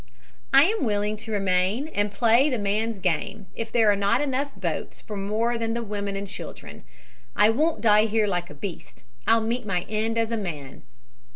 I am willing to remain and play the man's game, if there are not enough boats for more than the women and children. I won't die here like a beast. I'll meet my end as man.'